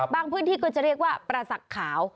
บางพื้นที่ก็จะเรียกว่าประสักขาว